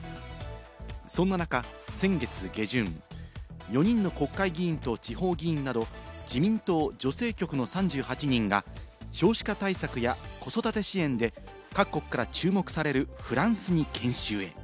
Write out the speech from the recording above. そんな中、先月下旬、４人の国会議員と地方議員など、自民党女性局の３８人が少子化対策や子育て支援で各国から注目されるフランスに研修へ。